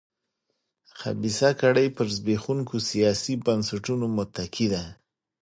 خبیثه کړۍ پر زبېښونکو سیاسي بنسټونو متکي ده.